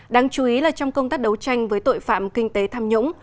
đáng chú ý là trong công tác đấu tranh với tội phạm kinh tế tham nhũng